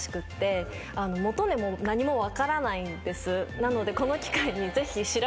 なので。